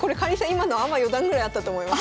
今のアマ四段ぐらいあったと思います。